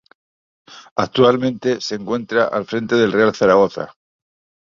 Actualmente se encuentra al frente del Real Zaragoza.